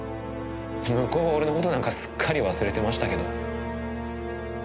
向こうは俺の事なんかすっかり忘れてましたけど。